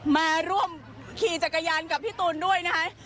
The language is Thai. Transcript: มาร่วมขี่จักรยานกับพี่ตูนด้วยนะคะ